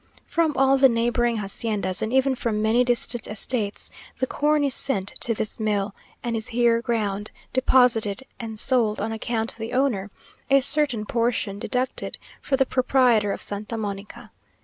From all the neighbouring haciendas, and even from many distant estates, the corn is sent to this mill, and is here ground, deposited, and sold on account of the owner, a certain portion deducted for the proprietor of Santa Mónica.